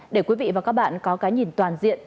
để quý vị và các bạn có cái nhìn toàn diện